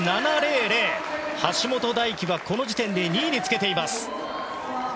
橋本大輝はこの時点で２位につけています。